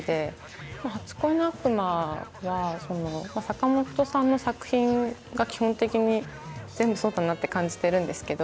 「初恋の悪魔」は坂元さんの作品が基本的に全部そうだなって感じてるんですけど